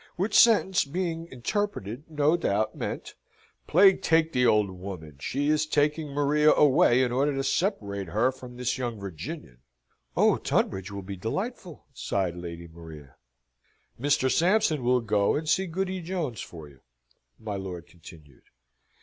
Which sentence, being interpreted, no doubt meant, "Plague take the old woman! She is taking Maria away in order to separate her from this young Virginian." "Oh, Tunbridge will be delightful!" sighed Lady Maria. "Mr. Sampson will go and see Goody Jones for you," my lord continued.